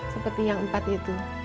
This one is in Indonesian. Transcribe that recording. seperti yang empat itu